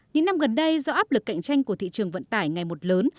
những năm gần đây do áp lực cạnh tranh của thị trường vận tải ngày một lớn